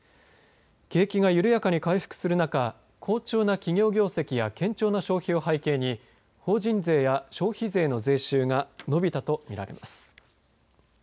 景気が緩やかに回復する中好調な企業業績や堅調な消費を背景に法人税や消費税の税収が伸びたと見られます。